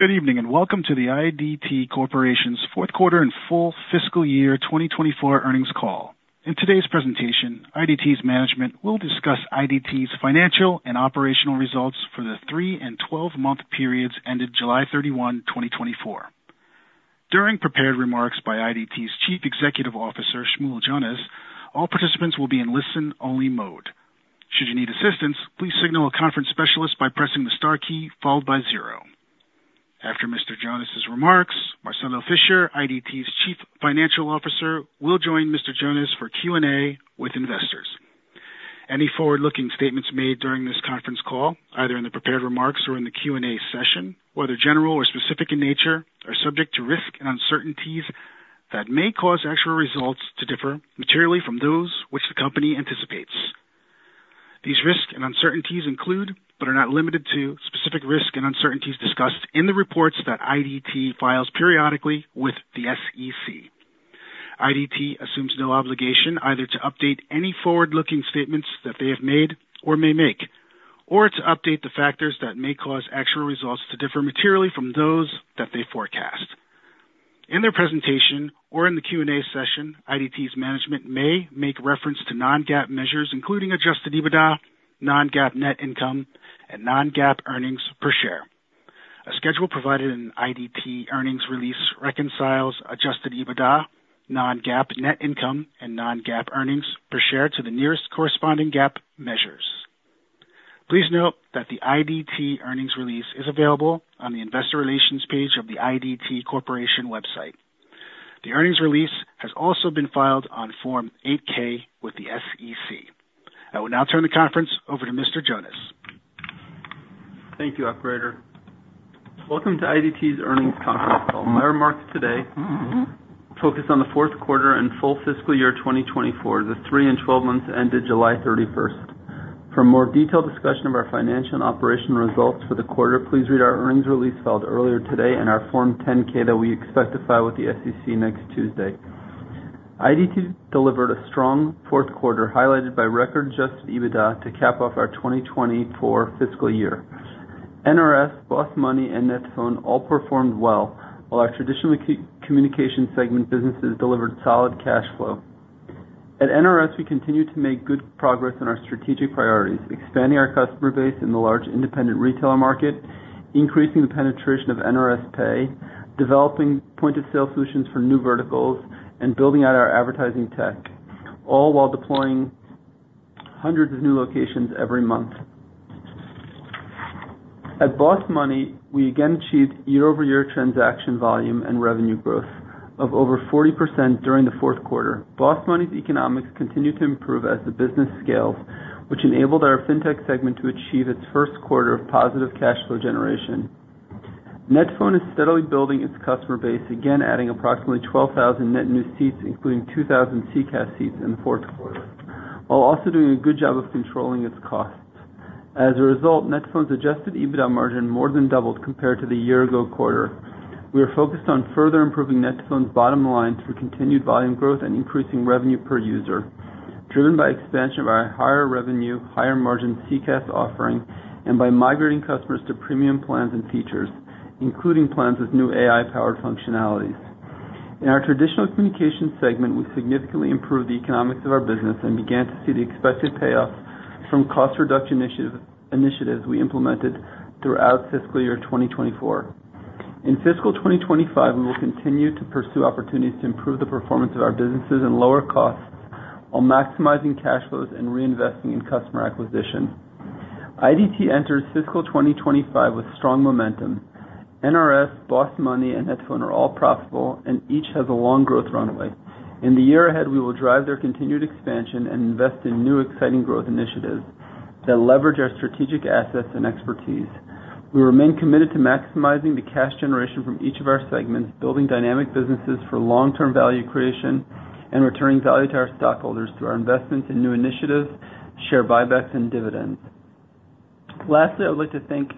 Good evening, and welcome to the IDT Corporation's Fourth Quarter and Full Fiscal Year 2024 Earnings Call. In today's presentation, IDT's management will discuss IDT's financial and operational results for the three and 12-month periods ended July 31, 2024. During prepared remarks by IDT's Chief Executive Officer, Shmuel Jonas, all participants will be in listen-only mode. Should you need assistance, please signal a conference specialist by pressing the star key, followed by zero. After Mr. Jonas' remarks, Marcelo Fischer, IDT's Chief Financial Officer, will join Mr. Jonas for Q&A with investors. Any forward-looking statements made during this conference call, either in the prepared remarks or in the Q&A session, whether general or specific in nature, are subject to risk and uncertainties that may cause actual results to differ materially from those which the company anticipates. These risks and uncertainties include, but are not limited to, specific risks and uncertainties discussed in the reports that IDT files periodically with the SEC. IDT assumes no obligation either to update any forward-looking statements that they have made or may make, or to update the factors that may cause actual results to differ materially from those that they forecast. In their presentation or in the Q&A session, IDT's management may make reference to non-GAAP measures, including Adjusted EBITDA, non-GAAP net income, and non-GAAP earnings per share. A schedule provided in IDT earnings release reconciles Adjusted EBITDA, non-GAAP net income, and non-GAAP earnings per share to the nearest corresponding GAAP measures. Please note that the IDT earnings release is available on the investor relations page of the IDT Corporation website. The earnings release has also been filed on Form 8-K with the SEC. I will now turn the conference over to Mr. Jonas. Thank you, operator. Welcome to IDT's earnings conference call. My remarks today focus on the fourth quarter and full fiscal year 2024, the three and 12 months ended July 31st. For a more detailed discussion of our financial and operational results for the quarter, please read our earnings release filed earlier today and our Form 10-K that we expect to file with the SEC next Tuesday. IDT delivered a strong fourth quarter, highlighted by record Adjusted EBITDA to cap off our 2024 fiscal year. NRS, BOSS Money and net2phone all performed well, while our traditional telecommunications segment businesses delivered solid cash flow. At NRS, we continue to make good progress on our strategic priorities, expanding our customer base in the large independent retailer market, increasing the penetration of NRS Pay, developing point-of-sale solutions for new verticals, and building out our advertising tech, all while deploying hundreds of new locations every month. At BOSS Money, we again achieved year-over-year transaction volume and revenue growth of over 40% during the fourth quarter. BOSS Money's economics continued to improve as the business scales, which enabled our Fintech segment to achieve its first quarter of positive cash flow generation. net2phone is steadily building its customer base, again, adding approximately 12,000 net new seats, including 2,000 CCaaS seats in the fourth quarter, while also doing a good job of controlling its costs. As a result, net2phone's Adjusted EBITDA margin more than doubled compared to the year-ago quarter. We are focused on further improving net2phone's bottom line through continued volume growth and increasing revenue per user, driven by expansion of our higher revenue, higher margin CCaaS offering and by migrating customers to premium plans and features, including plans with new AI-powered functionalities. In our traditional communication segment, we significantly improved the economics of our business and began to see the expected payoffs from cost reduction initiatives we implemented throughout fiscal year 2024. In fiscal 2025, we will continue to pursue opportunities to improve the performance of our businesses and lower costs, while maximizing cash flows and reinvesting in customer acquisition. IDT enters fiscal 2025 with strong momentum. NRS, BOSS Money and net2phone are all profitable and each has a long growth runway. In the year ahead, we will drive their continued expansion and invest in new, exciting growth initiatives that leverage our strategic assets and expertise. We remain committed to maximizing the cash generation from each of our segments, building dynamic businesses for long-term value creation, and returning value to our stockholders through our investments in new initiatives, share buybacks, and dividends. Lastly, I would like to thank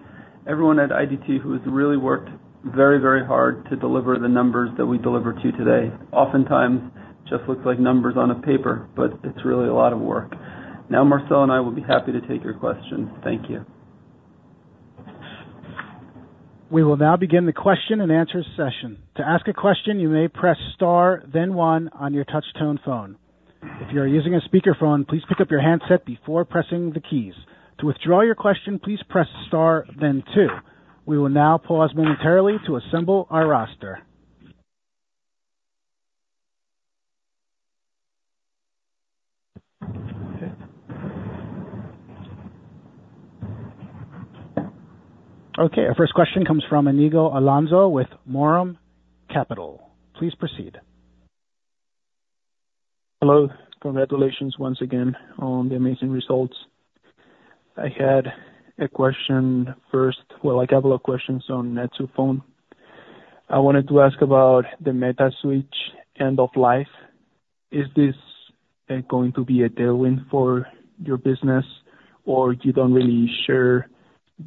everyone at IDT who has really worked very, very hard to deliver the numbers that we delivered to you today. Oftentimes, just looks like numbers on a paper, but it's really a lot of work. Now, Marcel and I will be happy to take your questions. Thank you. We will now begin the question and answer session. To ask a question, you may press star, then one on your touch tone phone. If you are using a speakerphone, please pick up your handset before pressing the keys. To withdraw your question, please press star, then two. We will now pause momentarily to assemble our roster. Okay, our first question comes from Iñigo Alonso with MORAM Capital. Please proceed. Hello. Congratulations once again on the amazing results. I had a question first, well, a couple of questions on net2phone. I wanted to ask about the Metaswitch end of life. Is this going to be a tailwind for your business, or you don't really share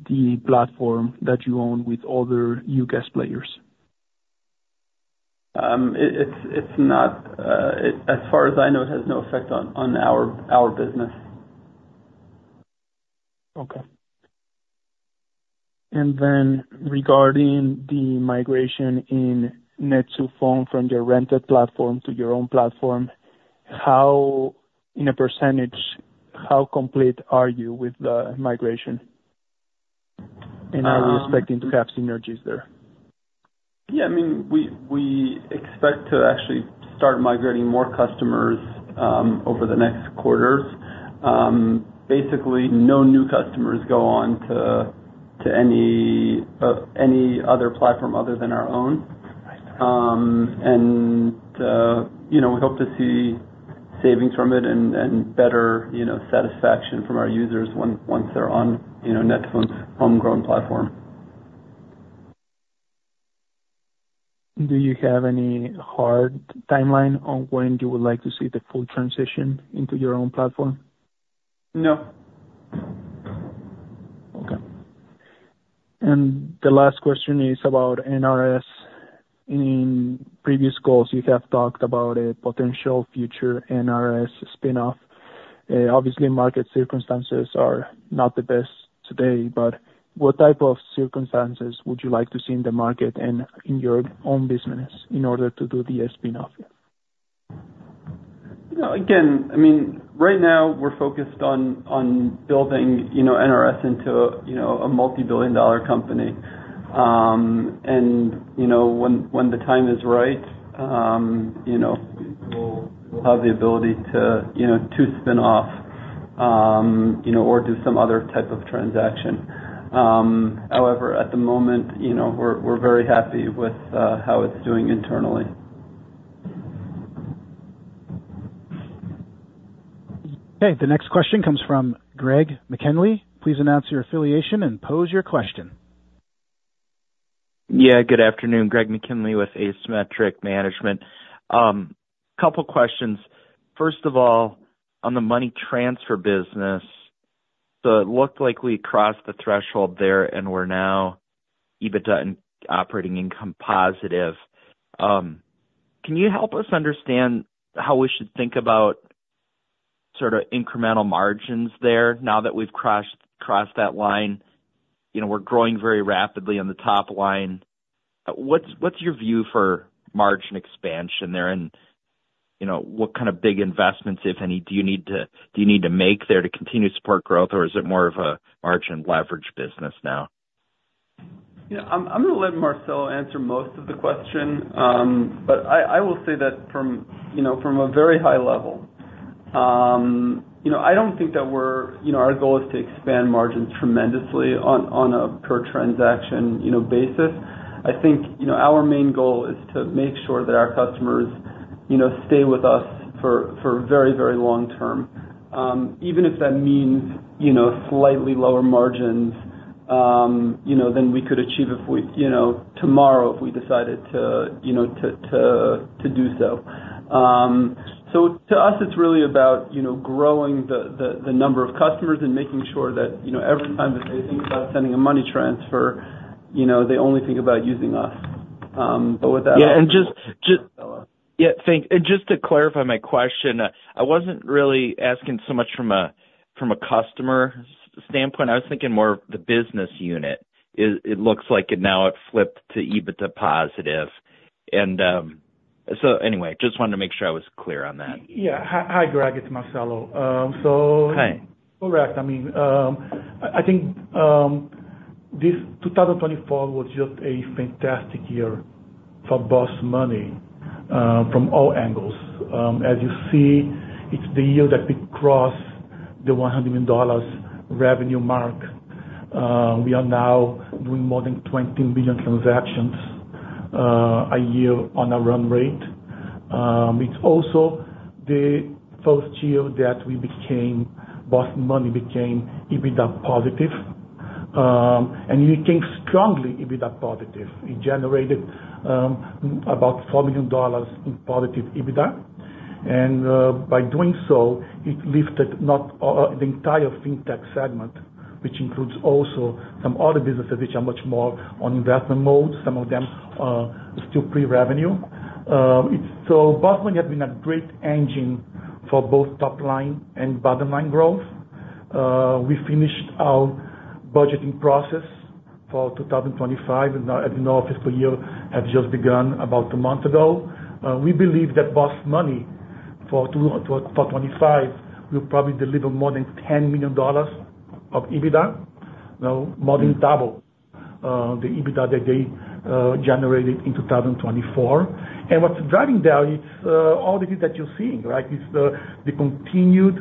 the platform that you own with other UCaaS players? It's not, as far as I know, it has no effect on our business. Okay. And then regarding the migration in net2phone from your rented platform to your own platform, how, in a percentage, how complete are you with the migration? And are you expecting to have synergies there? Yeah, I mean, we expect to actually start migrating more customers over the next quarters. Basically, no new customers go on to any other platform other than our own. And, you know, we hope to see savings from it and better, you know, satisfaction from our users once they're on, you know, net2phone's homegrown platform. Do you have any hard timeline on when you would like to see the full transition into your own platform? No. Okay. And the last question is about NRS. In previous calls, you have talked about a potential future NRS spinoff. Obviously, market circumstances are not the best today, but what type of circumstances would you like to see in the market and in your own business in order to do the spinoff? You know, again, I mean, right now, we're focused on building, you know, NRS into, you know, a multi-billion dollar company, and you know, when the time is right, you know, we'll have the ability to, you know, to spin off, you know, or do some other type of transaction. However, at the moment, you know, we're very happy with how it's doing internally. Okay, the next question comes from Greg McKinley. Please announce your affiliation and pose your question. Yeah, good afternoon, Greg McKinley with Asymmetric Management. A couple questions. First of all, on the money transfer business, so it looked like we crossed the threshold there, and we're now EBITDA and operating income positive. Can you help us understand how we should think about sort of incremental margins there now that we've crossed that line? You know, we're growing very rapidly on the top line. What's your view for margin expansion there? And, you know, what kind of big investments, if any, do you need to make there to continue to support growth, or is it more of a margin leverage business now? Yeah, I'm gonna let Marcelo answer most of the question. But I will say that from, you know, from a very high level, you know, I don't think that we're. You know, our goal is to expand margins tremendously on a per transaction, you know, basis. I think, you know, our main goal is to make sure that our customers, you know, stay with us for very, very long term, even if that means, you know, slightly lower margins, you know, than we could achieve if we, you know, tomorrow, if we decided to, you know, to do so. So to us, it's really about, you know, growing the number of customers and making sure that, you know, every time that they think about sending a money transfer, you know, they only think about using us. But with that- Yeah, thanks. And just to clarify my question, I wasn't really asking so much from a customer standpoint. I was thinking more of the business unit. It looks like it's now flipped to EBITDA positive. So anyway, just wanted to make sure I was clear on that. Yeah. Hi, hi, Greg, it's Marcelo. Hi. Correct. I mean, I think, this 2024 was just a fantastic year for BOSS Money, from all angles. As you see, it's the year that we crossed the $100 million revenue mark. We are now doing more than 20 billion transactions a year on a run rate. It's also the first year that BOSS Money became EBITDA positive, and we became strongly EBITDA positive. It generated about $4 million in positive EBITDA, and by doing so, it lifted not all the entire Fintech segment, which includes also some other businesses, which are much more on investment mode. Some of them are still pre-revenue. So BOSS Money has been a great engine for both top line and bottom line growth. We finished our budgeting process for 2025, and our new fiscal year has just begun about a month ago. We believe that BOSS Money for 2025 will probably deliver more than $10 million of EBITDA, now more than double the EBITDA that they generated in 2024. What's driving that is all the things that you're seeing, right? It's the continued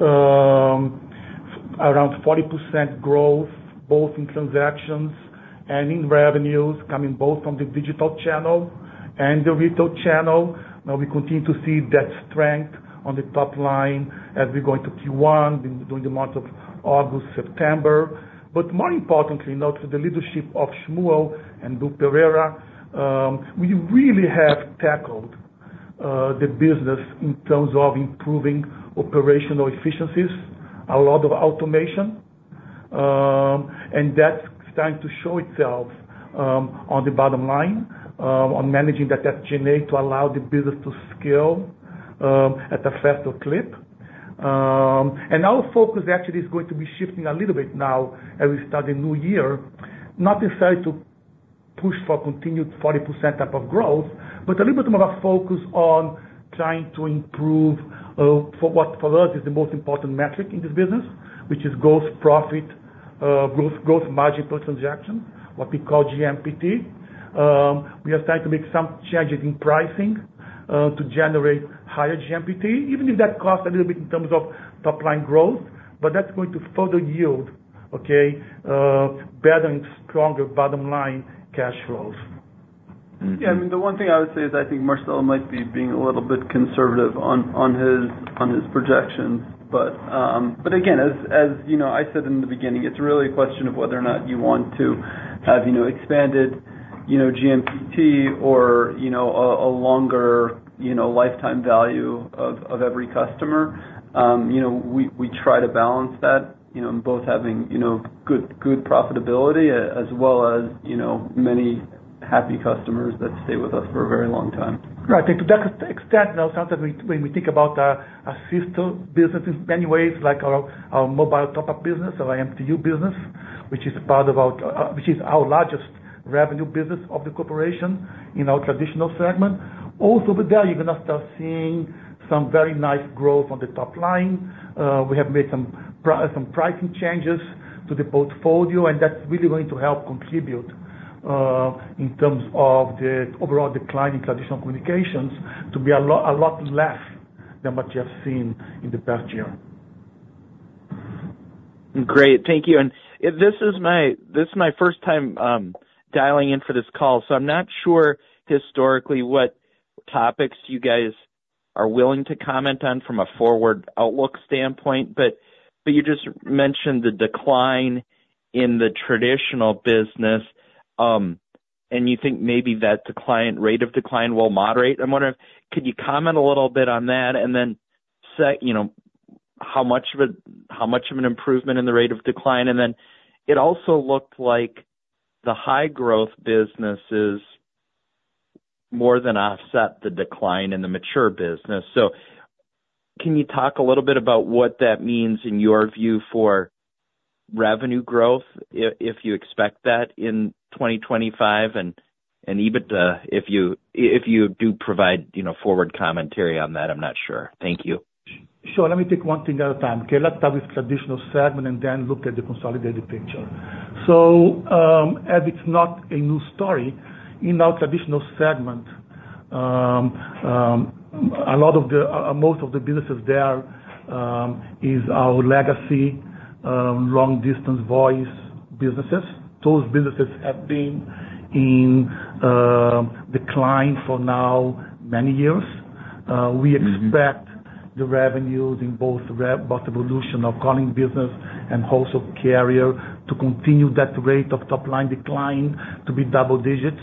around 40% growth, both in transactions and in revenues, coming both from the digital channel and the retail channel. Now, we continue to see that strength on the top line as we go into Q1, during the months of August, September. More importantly, now to the leadership of Shmuel and Bill Pereira, we really have tackled the business in terms of improving operational efficiencies, a lot of automation. And that's starting to show itself on the bottom line on managing that SG&A to allow the business to scale at a faster clip. And our focus actually is going to be shifting a little bit now as we start the new year. Not necessarily to push for continued 40% type of growth, but a little bit more of a focus on trying to improve for us is the most important metric in this business, which is gross profit gross margin per transaction, what we call GMPT. We are starting to make some changes in pricing to generate higher GMPT, even if that costs a little bit in terms of top line growth, but that's going to further yield okay better and stronger bottom line cash flows. Yeah, I mean, the one thing I would say is, I think Marcelo might be being a little bit conservative on his projections. But again, as you know, I said in the beginning, it's really a question of whether or not you want to have, you know, expanded GMPT or a longer lifetime value of every customer. You know, we try to balance that, both having good profitability as well as many happy customers that stay with us for a very long time. Right. I think to that extent, now, sometimes when we think about our system business in many ways, like our mobile top-up business, our MTU business, which is part of our, which is our largest revenue business of the corporation in our traditional segment. Also with that, you're gonna start seeing some very nice growth on the top line. We have made some pricing changes to the portfolio, and that's really going to help contribute in terms of the overall decline in traditional communications to be a lot less than what you have seen in the past year. Great. Thank you. And this is my first time dialing in for this call, so I'm not sure historically what topics you guys are willing to comment on from a forward outlook standpoint. But you just mentioned the decline in the traditional business, and you think maybe that decline rate of decline will moderate. I'm wondering, could you comment a little bit on that? And then say, you know, how much of it, how much of an improvement in the rate of decline? And then it also looked like the high growth businesses more than offset the decline in the mature business. Can you talk a little bit about what that means in your view for revenue growth, if you expect that in 2025 and EBITDA, if you do provide, you know, forward commentary on that? I'm not sure. Thank you. Sure. Let me take one thing at a time, okay? Let's start with traditional segment and then look at the consolidated picture. So, and it's not a new story. In our traditional segment, most of the businesses there is our legacy long distance voice businesses. Those businesses have been in decline for now many years. We expect the revenues in the revolution of calling business and wholesale carrier to continue that rate of top-line decline to be double digits.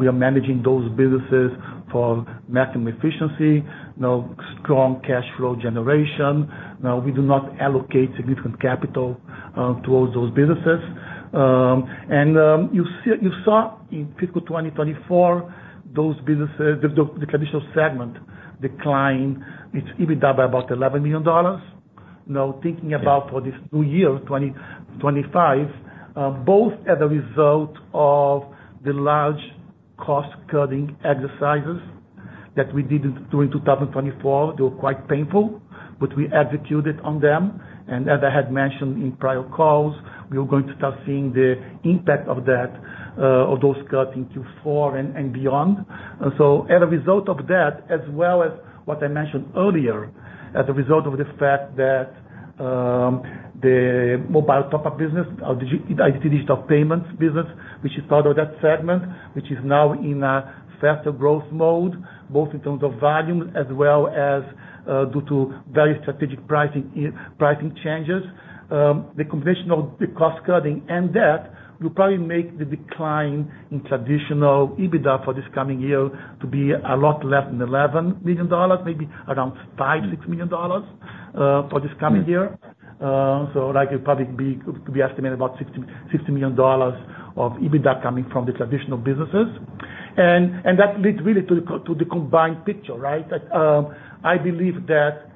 We are managing those businesses for maximum efficiency and strong cash flow generation. Now, we do not allocate significant capital towards those businesses. You saw in fiscal 2024, those businesses, the traditional segment declined its EBITDA by about $11 million. Now, thinking about this new year, 2025, both as a result of the large cost-cutting exercises that we did during 2024, they were quite painful, but we executed on them. As I had mentioned in prior calls, we are going to start seeing the impact of that, of those cuts in Q4 and beyond. And so as a result of that, as well as what I mentioned earlier, as a result of the fact that, the mobile top-up business, our digital payments business, which is part of that segment, which is now in a faster growth mode, both in terms of volume as well as, due to very strategic pricing, pricing changes. The combination of the cost cutting and that will probably make the decline in traditional EBITDA for this coming year to be a lot less than $11 million, maybe around $5-$6 million, for this coming year. So that could probably be, we estimate about $60 million of EBITDA coming from the traditional businesses. And that leads really to the combined picture, right? I believe that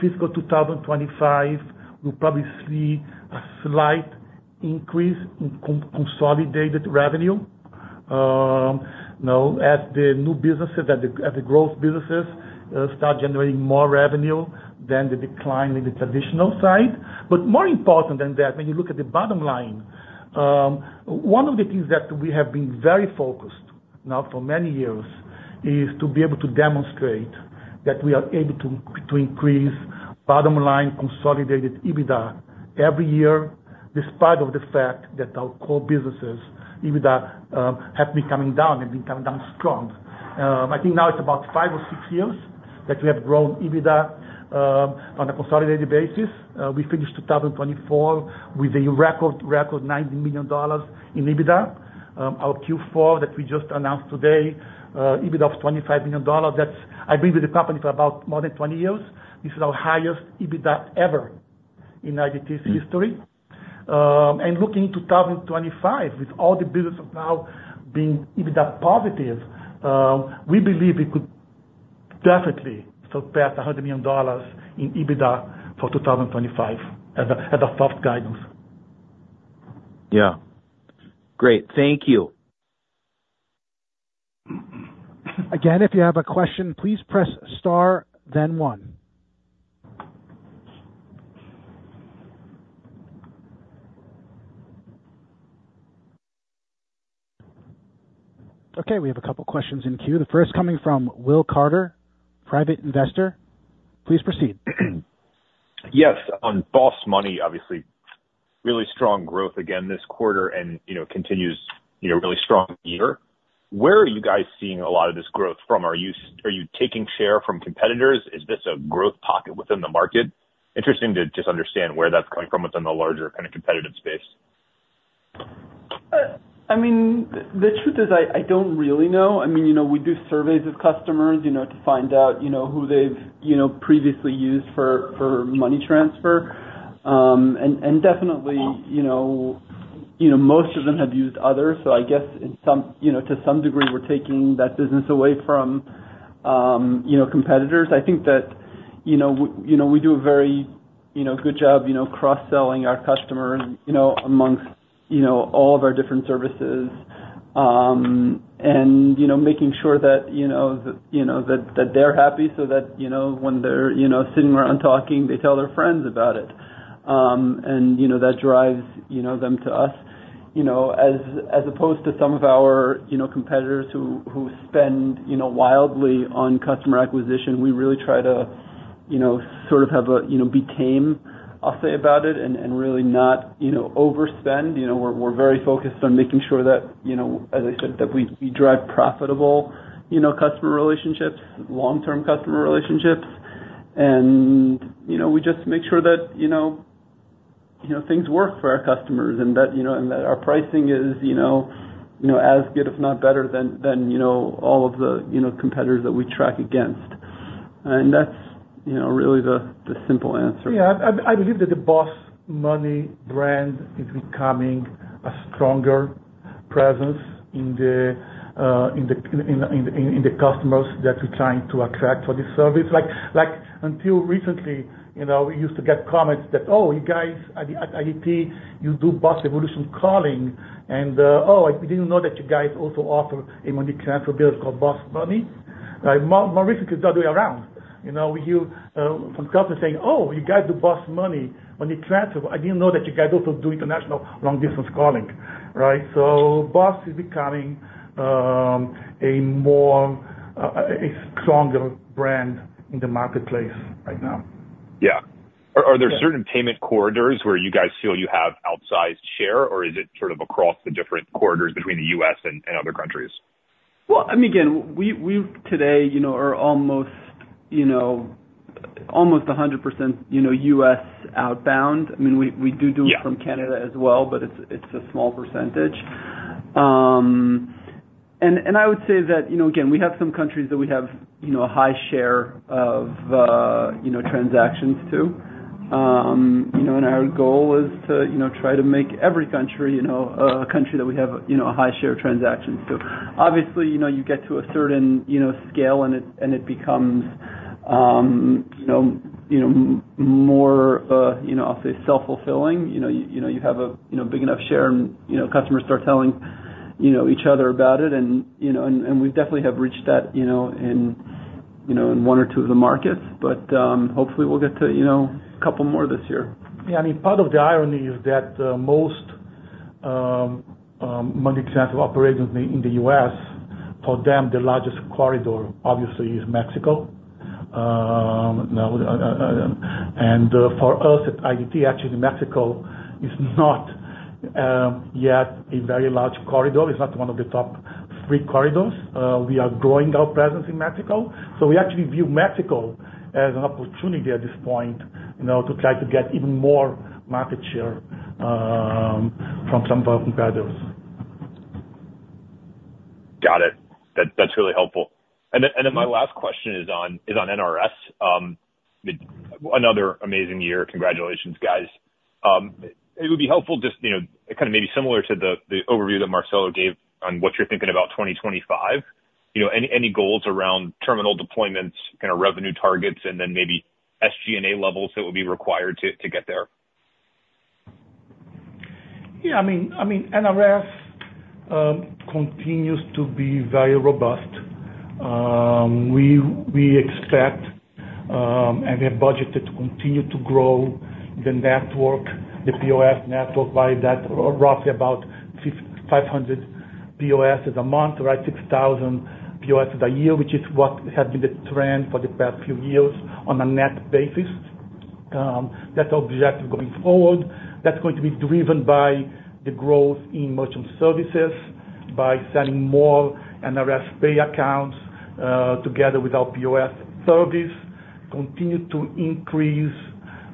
fiscal 2025 will probably see a slight increase in consolidated revenue, as the new businesses, as the growth businesses, start generating more revenue than the decline in the traditional side. But more important than that, when you look at the bottom line, one of the things that we have been very focused now for many years is to be able to demonstrate that we are able to increase bottom line consolidated EBITDA every year, despite of the fact that our core businesses, EBITDA, have been coming down and been coming down strong. I think now it's about five or six years that we have grown EBITDA on a consolidated basis. We finished 2024 with a record $90 million in EBITDA. Our Q4 that we just announced today, EBITDA of $25 million, that's... I've been with the company for about more than 20 years. This is our highest EBITDA ever in IDT's history, and looking into 2025, with all the businesses now being EBITDA positive, we believe it could definitely surpass $100 million in EBITDA for 2025 as a soft guidance. Yeah. Great, thank you. Again, if you have a question, please press star, then one. Okay, we have a couple questions in queue. The first coming from Will Carter, private investor. Please proceed. Yes, on BOSS Money, obviously really strong growth again this quarter and, you know, continues, you know, really strong year. Where are you guys seeing a lot of this growth from? Are you taking share from competitors? Is this a growth pocket within the market? Interesting to just understand where that's coming from within the larger kind of competitive space. I mean, the truth is, I don't really know. I mean, you know, we do surveys with customers, you know, to find out, you know, who they've, you know, previously used for money transfer. And definitely, you know, you know, most of them have used others, so I guess in some, you know, to some degree, we're taking that business away from, you know, competitors. I think that, you know, you know, we do a very, you know, good job, you know, cross-selling our customers, you know, amongst, you know, all of our different services. And, you know, making sure that, you know, you know, that they're happy so that, you know, when they're, you know, sitting around talking, they tell their friends about it. And, you know, that drives, you know, them to us. You know, as opposed to some of our competitors who spend wildly on customer acquisition, we really try to, you know, sort of have a, you know, be tame, I'll say about it, and really not, you know, overspend. You know, we're very focused on making sure that, you know, as I said, that we drive profitable, you know, customer relationships, long-term customer relationships. You know, we just make sure that, you know, things work for our customers, and that, you know, our pricing is, you know, as good if not better than all of the, you know, competitors that we track against. That's, you know, really the simple answer. Yeah, I believe that the BOSS Money brand is becoming a stronger presence in the customers that we're trying to attract for this service. Like, until recently, you know, we used to get comments that, "Oh, you guys at IDT, you do BOSS Revolution Calling," and, "Oh, I didn't know that you guys also offer a money transfer business called BOSS Money." Like, more recently, it's the other way around. You know, we hear from customers saying, "Oh, you guys do BOSS Money on the transfer. I didn't know that you guys also do international long distance calling." Right? So BOSS is becoming a more stronger brand in the marketplace right now. Yeah. Are there certain payment corridors where you guys feel you have outsized share, or is it sort of across the different corridors between the U.S. and other countries? Well, I mean, again, we've today, you know, are almost 100%, you know, U.S. outbound. I mean, we do- Yeah. from Canada as well, but it's a small percentage. And I would say that, you know, again, we have some countries that we have, you know, a high share of, you know, transactions to. You know, and our goal is to, you know, try to make every country, you know, a country that we have, you know, a high share of transactions to. Obviously, you know, you get to a certain, you know, scale and it becomes more, you know, I'll say self-fulfilling. You know, you have a big enough share and, you know, customers start telling each other about it and we definitely have reached that, you know, in one or two of the markets. But, hopefully we'll get to, you know, a couple more this year. Yeah, I mean, part of the irony is that most money transfer operators in the U.S., for them, the largest corridor obviously is Mexico. Now, and for us at IDT, actually, Mexico is not yet a very large corridor. It's not one of the top three corridors. We are growing our presence in Mexico, so we actually view Mexico as an opportunity at this point, you know, to try to get even more market share from some of our competitors. Got it. That, that's really helpful. And then my last question is on NRS. Another amazing year. Congratulations, guys. It would be helpful just, you know, kind of maybe similar to the overview that Marcelo gave on what you're thinking about 2025. You know, any goals around terminal deployments, kind of revenue targets, and then maybe SG&A levels that would be required to get there? Yeah, I mean, NRS continues to be very robust. We expect and we have budgeted to continue to grow the network, the POS network, by that roughly about 500 POS a month, or at 6,000 POS a year, which is what has been the trend for the past few years on a net basis. That's our objective going forward. That's going to be driven by the growth in merchant services, by selling more NRS Pay accounts, together with our POS service, continue to increase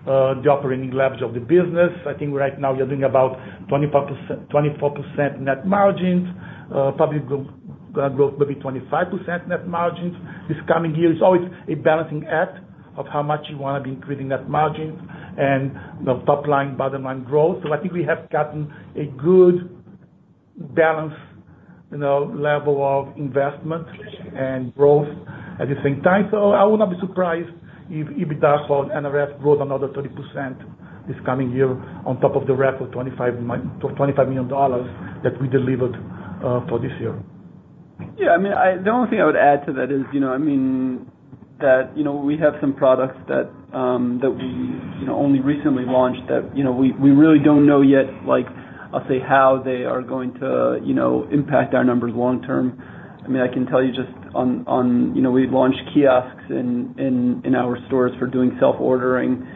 the operating leverage of the business. I think right now we are doing about 25%... 24% net margins. Probably growth maybe 25% net margins this coming year. It's always a balancing act of how much you want to be increasing that margin and, you know, top line, bottom line growth. So I think we have gotten a good balance, you know, level of investment and growth at the same time. So I would not be surprised if EBITDA for NRS grows another 30% this coming year on top of the record $25 million that we delivered for this year. Yeah, I mean, the only thing I would add to that is, you know, I mean, that, you know, we have some products that we only recently launched that, you know, we really don't know yet like, I'll say, how they are going to, you know, impact our numbers long term. I mean, I can tell you just on, you know, we've launched kiosks in our stores for doing self-ordering,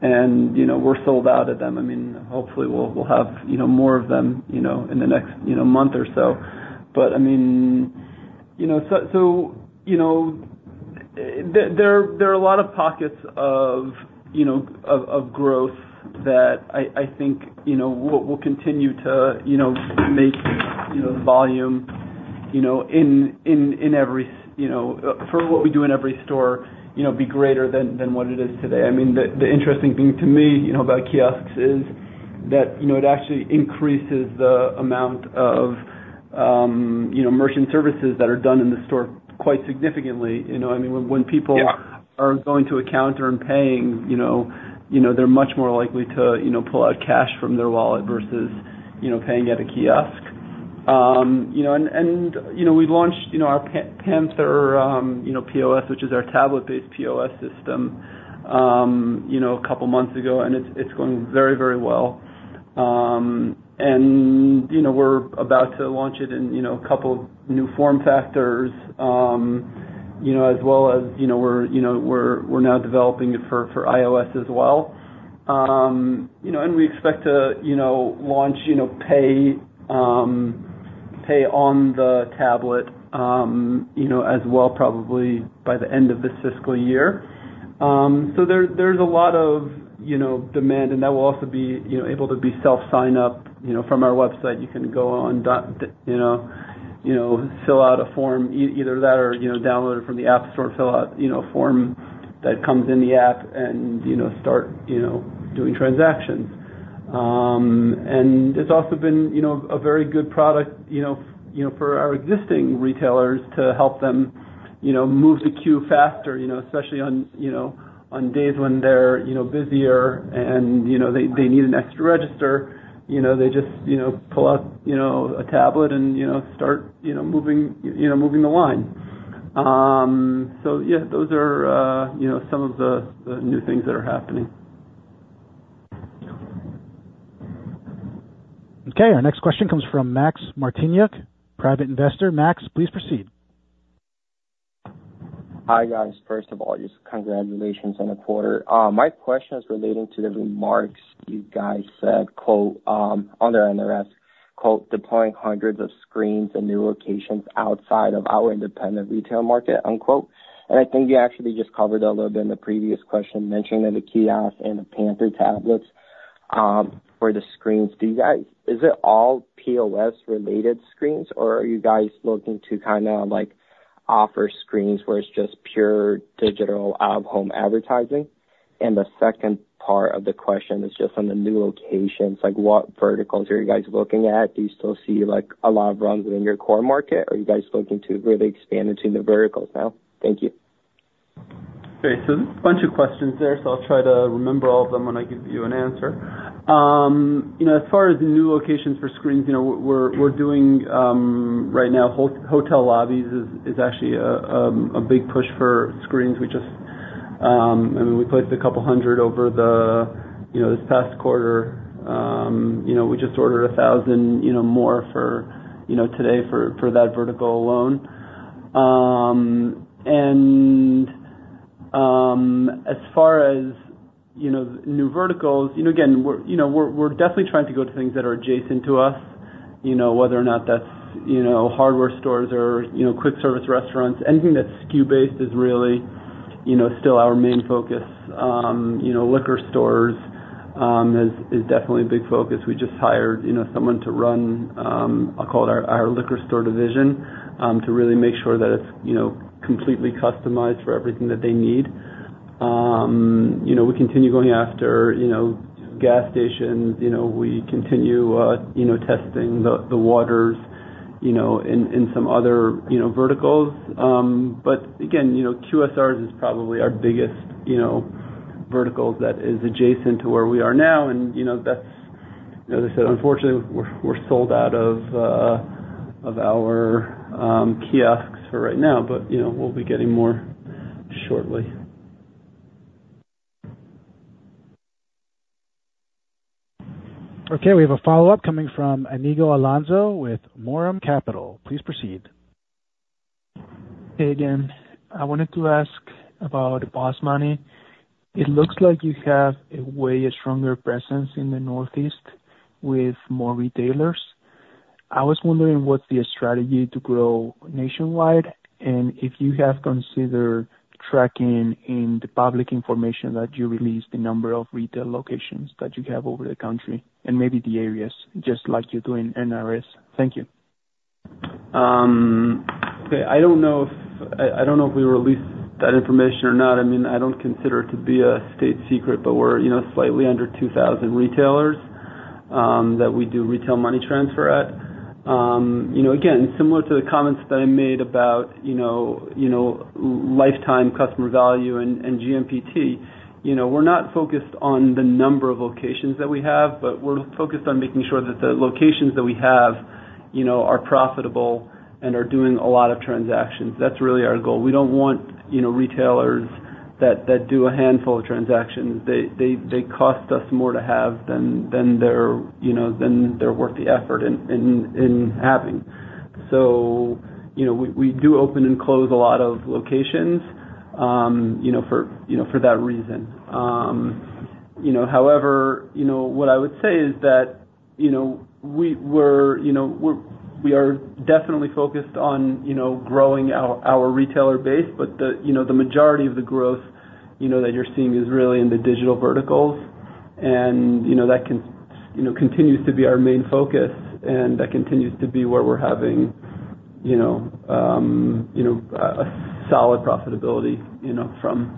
and, you know, we're sold out of them. I mean, hopefully we'll have, you know, more of them, you know, in the next, you know, month or so. I mean, you know, so, you know, there are a lot of pockets of, you know, of growth that I think, you know, we'll continue to, you know, make, you know, volume, you know, in every, you know... For what we do in every store, you know, be greater than what it is today. I mean, the interesting thing to me, you know, about kiosks is that, you know, it actually increases the amount of, you know, merchant services that are done in the store quite significantly. You know, I mean, when people- are going to a counter and paying, you know, they're much more likely to, you know, pull out cash from their wallet versus, you know, paying at a kiosk. You know, and we've launched, you know, our Panther POS, which is our tablet-based POS system, you know, a couple months ago, and it's going very, very well. And, you know, we're about to launch it in, you know, a couple new form factors, you know, as well as, you know, we're now developing it for iOS as well. You know, and we expect to, you know, launch pay on the tablet, you know, as well, probably by the end of this fiscal year. So there, there's a lot of, you know, demand, and that will also be, you know, able to be self-sign up, you know, from our website. You can go on that, you know, fill out a form, either that or, you know, download it from the App Store, fill out, you know, a form that comes in the app and, you know, start, you know, doing transactions. And it's also been, you know, a very good product, you know, for our existing retailers to help them, you know, move the queue faster, you know, especially on, you know, on days when they're, you know, busier and, you know, they need an extra register. You know, they just, you know, pull out, you know, a tablet and, you know, start, you know, moving the line. Those are, you know, some of the new things that are happening. Okay, our next question comes from Max Martinyuk, private investor. Max, please proceed. Hi, guys. First of all, just congratulations on the quarter. My question is relating to the remarks you guys said, quote, on the NRS, quote, "Deploying hundreds of screens in new locations outside of our independent retail market," unquote, and I think you actually just covered a little bit in the previous question, mentioning of the kiosk and the Panther tablets, for the screens. Is it all POS-related screens, or are you guys looking to kinda, like, offer screens where it's just pure digital out-of-home advertising, and the second part of the question is just on the new locations, like, what verticals are you guys looking at? Do you still see, like, a lot of runs within your core market, or are you guys looking to really expand into new verticals now? Thank you. Okay, so there's a bunch of questions there, so I'll try to remember all of them when I give you an answer. You know, as far as the new locations for screens, you know, we're doing right now, hotel lobbies is actually a big push for screens. We just, I mean, we placed a couple hundred over the, you know, this past quarter. You know, we just ordered a thousand, you know, more for, you know, today for that vertical alone. And, as far as, you know, new verticals, you know, again, we're, you know, we're definitely trying to go to things that are adjacent to us, you know, whether or not that's, you know, hardware stores or, you know, quick service restaurants. Anything that's SKU-based is really, you know, still our main focus. You know, liquor stores is definitely a big focus. We just hired, you know, someone to run, I'll call it our liquor store division, to really make sure that it's, you know, completely customized for everything that they need. You know, we continue going after, you know, gas stations. You know, we continue, you know, testing the waters, you know, in some other, you know, verticals, but again, you know, QSRs is probably our biggest, you know, verticals that is adjacent to where we are now, and you know, that's. As I said, unfortunately, we're sold out of our kiosks for right now, but, you know, we'll be getting more shortly. Okay, we have a follow-up coming from Iñigo Alonso with MORAM Capital. Please proceed. Hey again. I wanted to ask about BOSS Money. It looks like you have a way stronger presence in the Northeast with more retailers. I was wondering what's the strategy to grow nationwide, and if you have considered tracking in the public information that you release, the number of retail locations that you have over the country and maybe the areas, just like you do in NRS. Thank you. Okay. I don't know if we released that information or not. I mean, I don't consider it to be a state secret, but we're, you know, slightly under 2,000 retailers that we do retail money transfer at. You know, again, similar to the comments that I made about, you know, lifetime customer value and GMPT. You know, we're not focused on the number of locations that we have, but we're focused on making sure that the locations that we have, you know, are profitable and are doing a lot of transactions. That's really our goal. We don't want, you know, retailers that do a handful of transactions. They cost us more to have than they're worth the effort in having. So, you know, we do open and close a lot of locations, you know, for that reason. However, you know, what I would say is that, you know, we are definitely focused on, you know, growing our retailer base, but the majority of the growth, you know, that you're seeing is really in the digital verticals. And, you know, that continues to be our main focus, and that continues to be where we're having, you know, a solid profitability, you know, from-